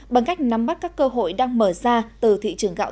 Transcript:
bằng cách nắm bắt các cơ hội đang mở ra từ thị trường gạo